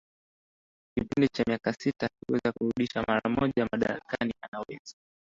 kipindi cha miaka sita akiweza kurudishwa mara moja madarakani anaweza